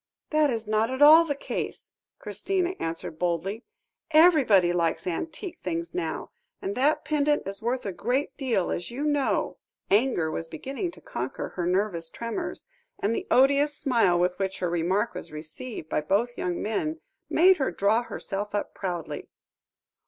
"That is not at all the case," Christina answered boldly; "everybody likes antique things now; and that pendant is worth a great deal, as you know." Anger was beginning to conquer her nervous tremors, and the odious smile with which her remark was received by both young men, made her draw herself up proudly.